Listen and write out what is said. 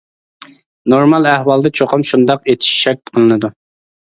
نورمال ئەھۋالدا چوقۇم، شۇنداق ئېتىش شەرت قىلىنىدۇ.